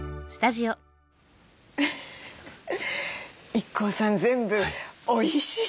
ＩＫＫＯさん全部おいしそう。